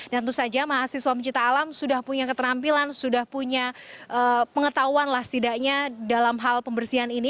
dan tentu saja mahasiswa pencipta alam sudah punya keterampilan sudah punya pengetahuan lah setidaknya dalam hal pembersihan ini